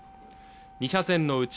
２車線のうち